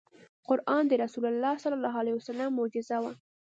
قرآن د رسول الله ص معجزه وه .